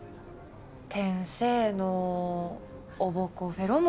天性のおぼこフェロモンってやつ。